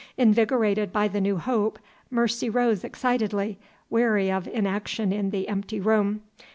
Invigorated by the new hope, Mercy rose excitedly, weary of inaction in the empty room.